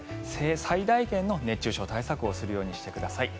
最大限の熱中症対策をするようにしてください。